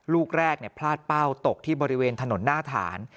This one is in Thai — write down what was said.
ลูกแรกพลาดเป้าตกที่บริเวณถนนหน้าฐาน